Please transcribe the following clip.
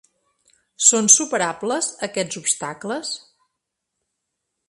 Són superables aquests obstacles?